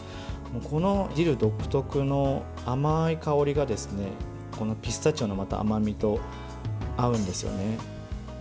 このディル独特の甘い香りがピスタチオの甘みと合うんですよね。